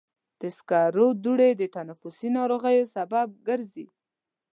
د سکرو دوړې د تنفسي ناروغیو سبب ګرځي.